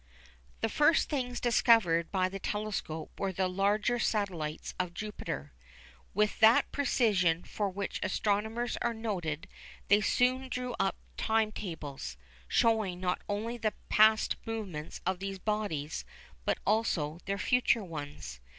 The first things discovered by the telescope were the larger satellites of Jupiter. With that precision for which astronomers are noted, they soon drew up time tables, showing not only the past movements of these bodies, but also their future ones.